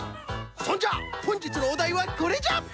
そんじゃほんじつのおだいはこれじゃ！